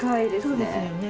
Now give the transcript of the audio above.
そうですよね。